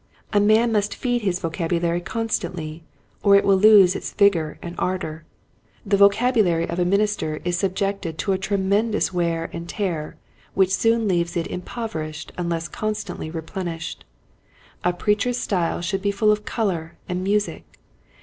A man must feed his vocabulary constantly or it will lose its vigor and " Thy Speech Bewray eth Thee. " 1 8 1 ardor. The vocabulary of a minister is subjected to a tremendous wear and tear which soon leaves it impoverished unless constantly replenished. A preacher's style should be full of color and music.